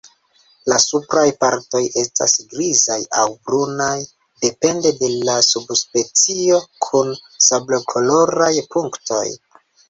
La supraj partoj estas grizaj aŭ brunaj, depende de la subspecio, kun sablokoloraj punktoj.